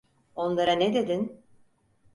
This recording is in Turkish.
Onlara ne dedin?